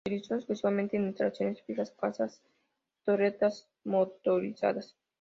Se utilizó exclusivamente en instalaciones fijas: cazas y torretas motorizadas.